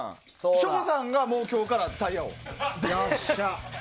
省吾さんが今日からタイヤ王。